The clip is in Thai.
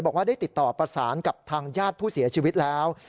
บอกว่าได้ติดต่อประสานกับทางญาติผู้เสียชีวิตแล้ว